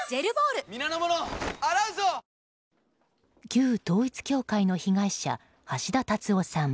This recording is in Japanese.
旧統一教会の被害者橋田達夫さん。